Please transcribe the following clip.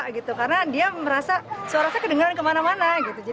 dia merasa suara kedengaran kemana mana